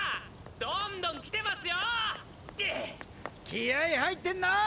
気合い入ってんなぁ！